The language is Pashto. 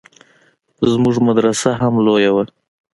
زموږ مدرسه هم لويه وه.